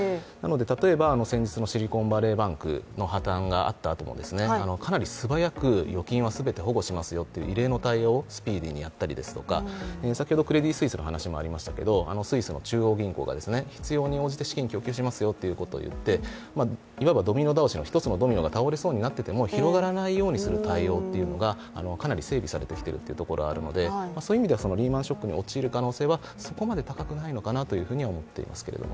例えば先日のシリコンバレーバンクの破綻があったあともかなり素早く預金は全て保護しますという異例の対応をスピーディーにやったりですとか先ほどクレディ・スイスの話もありましたがスイスの中央銀行が必要に応じて資金を供給しますということをいって、いわばドミノ倒しの一つのドミノが倒れそうになってても広がらないようにする対応っていうのがかなり整備されてきているというところがあるのでリーマン・ショックに陥る可能性はそこまで高くないのかなと思っているんですけれども。